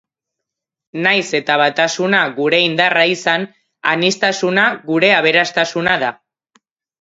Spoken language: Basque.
Nahiz eta batasuna gure indarra izan, aniztasuna gure aberastasuna da.